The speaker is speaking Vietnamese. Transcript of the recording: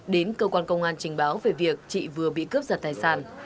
đến cơ quan công an trình báo về việc chị vừa bị cướp giật tài sản